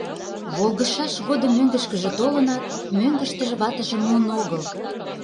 Волгыжшаш годым мӧҥгышкыжӧ толынат, мӧҥгыштыжӧ ватыжым муын огыл.